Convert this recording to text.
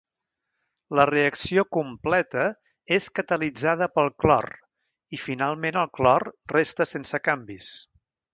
La reacció completa és catalitzada pel clor i finalment el clor resta sense canvis.